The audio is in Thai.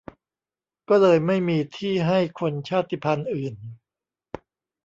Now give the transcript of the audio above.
ก็เลยไม่มีที่ให้คนชาติพันธุ์อื่น